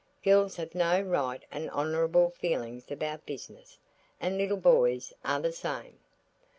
Girls have no right and honourable feelings about business, and little boys are the same.